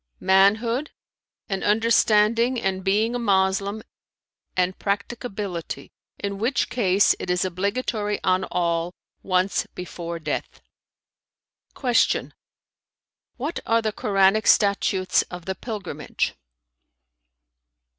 "Manhood, and understanding and being a Moslem and practicability; in which case it is obligatory on all, once before death." Q "What are the Koranic statutes of the Pilgrimage?"